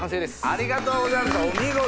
ありがとうございますお見事！